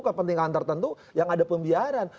kepentingan tertentu yang ada pembiaran